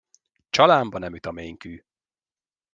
Csalánba nem üt a ménkű.